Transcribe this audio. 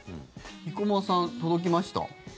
生駒さん、届きました？